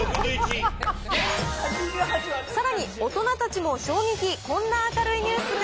さらに大人たちも衝撃、こんな明るいニュースが。